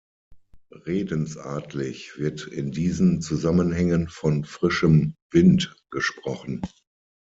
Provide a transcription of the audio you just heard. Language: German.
Redensartlich wird in diesen Zusammenhängen von „frischem Wind“ gesprochen.